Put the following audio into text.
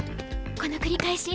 この繰り返し。